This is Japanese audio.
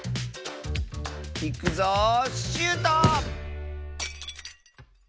いくぞシュート！